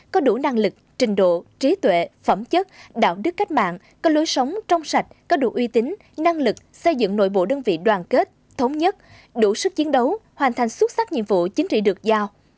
có đủ năng lực trình độ trí tuệ phẩm chất đạo đức cách mạng có lối sống trong sạch có đủ uy tín năng lực xây dựng nội bộ đơn vị đoàn kết thống nhất đủ sức chiến đấu hoàn thành xuất sắc nhiệm vụ chính trị được giao